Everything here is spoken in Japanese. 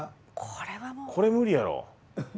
これ無理やろ。